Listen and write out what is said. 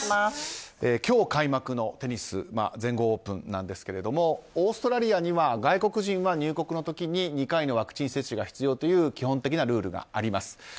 今日開幕のテニスの全豪オープンなんですけれどもオーストラリアには外国人は入国の時に２回のワクチン接種が必要という基本的なルールがあります。